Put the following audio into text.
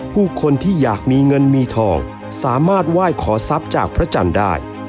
ผู้คนที่อยากมีเงินมีทองสามารถไหว้ขอทรัพย์จากพระจันทร์ได้